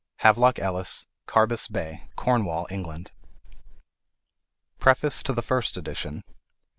HAVELOCK ELLIS. Carbis Bay, Cornwall, Eng. PREFACE TO THE FIRST EDITION.